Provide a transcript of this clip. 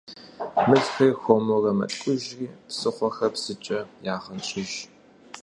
Мылхэри хуэмурэ мэткӀужри псыхъуэхэр псыкӀэ ягъэнщӀыж.